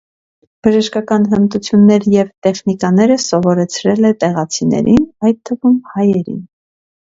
Բժշկական հմտություններ և տեխնիկաներ է սովորեցրել է տեղացիներին, այդ թվում հայերին։